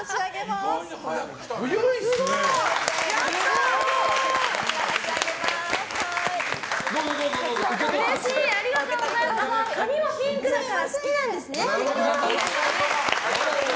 すごい！髪もピンクだから好きなんですね。